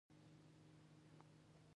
آیا او دوی انصاف نه غواړي؟